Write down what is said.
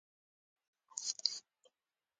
مجاهد د صبر له لارې کاميابي غواړي.